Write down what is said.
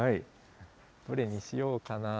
どれにしようかな。